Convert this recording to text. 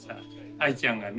アイちゃんがね